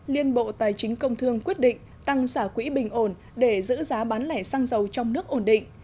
liên bộ tài chính công thương quyết định tăng xả quỹ bình ổn để giữ giá bán lẻ xăng dầu trong nước ổn định